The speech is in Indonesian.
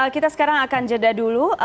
kita sekarang akan jeda dulu